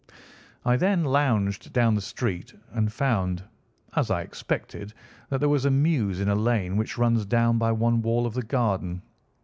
"I then lounged down the street and found, as I expected, that there was a mews in a lane which runs down by one wall of the garden.